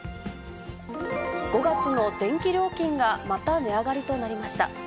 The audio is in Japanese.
５月の電気料金がまた値上がりとなりました。